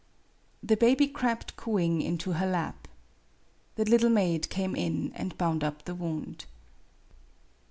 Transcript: The baby crept cooing into her lap. The little maid came in and bound up the wound.